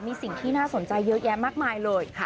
มีสิ่งที่น่าสนใจเยอะแยะมากมายเลย